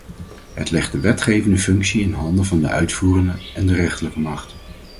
Het legt de wetgevende functie in handen van de uitvoerende en de rechterlijke macht.